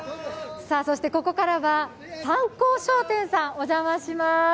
そしてここからは、三幸商店さんお邪魔します。